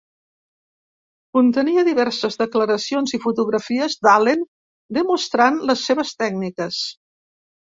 Contenia diverses declaracions i fotografies d'Allen demostrant les seves tècniques.